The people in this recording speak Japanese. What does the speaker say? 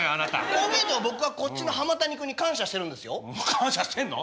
こう見えても僕はこっちの浜谷君に感謝してるんですよ。感謝してんの？